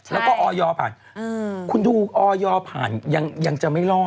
แล้วก็ออยผ่านคุณดูออยผ่านยังจะไม่รอด